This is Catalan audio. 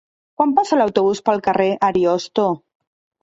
Quan passa l'autobús pel carrer Ariosto?